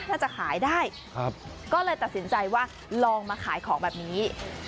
ถ้าจะขายได้ก็เลยตัดสินใจว่าลองมาขายของแบบนี้